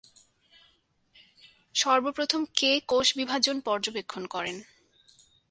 সর্বপ্রথম কে কোষ বিভাজন পর্যবেক্ষণ করেন?